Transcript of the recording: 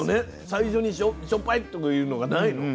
最初にしょっぱいとかいうのがないの。